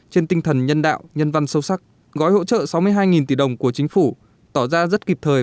trên tinh thần nhân đạo nhân văn sâu sắc gói hỗ trợ sáu mươi hai tỷ đồng của chính phủ tỏ ra rất kịp thời